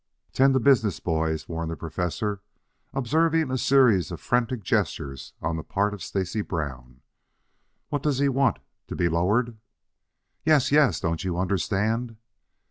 "Tend to business, boys," warned the Professor, observing a series of frantic gestures on the part of Stacy Brown. "What does he want, to be lowered?" "Yes, yes, don't you understand?"